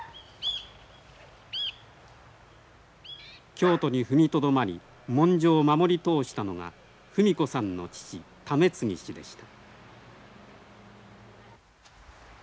京都に踏みとどまり文書を守り通したのが布美子さんの父為系氏でした。